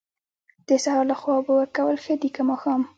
د سهار لخوا اوبه ورکول ښه دي که ماښام؟